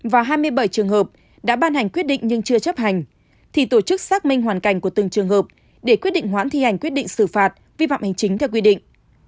và hai mươi bảy trường hợp đã ban hành quyết định nhưng chưa chấp hành thì tổ chức xác minh hoàn cảnh của từng trường hợp để quyết định hoãn thi hành quyết định xử phạt vi phạm hành chính theo quy định